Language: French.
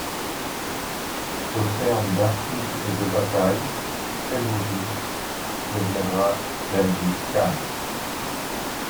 Au terme d'intrigues et de batailles, Temujin deviendra Gengis Khan.